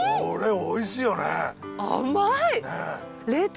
これおいしいよね。